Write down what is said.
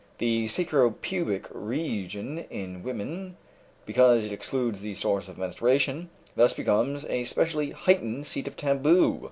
The sacro pubic region in women, because it includes the source of menstruation, thus becomes a specially heightened seat of taboo.